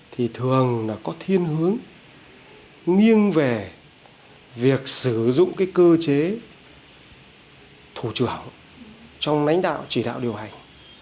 thì thường là có thiên hướng nghiêng về việc sử dụng cơ chế thủ trưởng trong lãnh đạo chỉ đạo điều hành